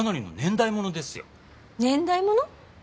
年代物？